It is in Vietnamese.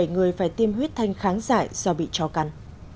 năm mươi bảy người phải tiêm huyết thanh kháng dạy do bị cho cắn